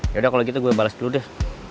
yaudah kalau gitu gue balas dulu deh